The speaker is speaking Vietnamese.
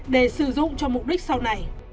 để sử dụng cho mục đích sau này